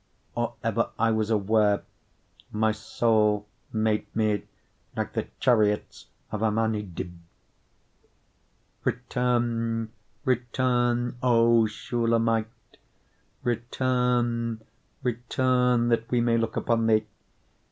6:12 Or ever I was aware, my soul made me like the chariots of Amminadib. 6:13 Return, return, O Shulamite; return, return, that we may look upon thee.